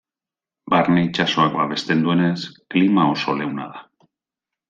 Barne-itsasoak babesten duenez, klima oso leuna da.